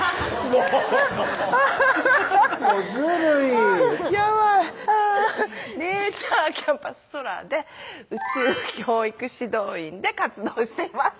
もうずるいやばいネイチャーキャンパス宙で宇宙教育指導員で活動しています